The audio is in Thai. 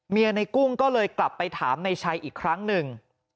ในกุ้งก็เลยกลับไปถามในชัยอีกครั้งหนึ่ง